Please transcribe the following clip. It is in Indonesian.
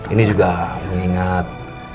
ini juga mengingat